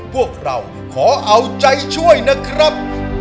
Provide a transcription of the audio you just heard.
พวกเราขอเอาใจช่วยนะครับ